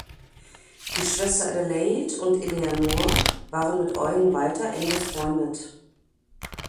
Die Schwester Adelaide und Eleanor waren mit Eugen Walter eng befreundet.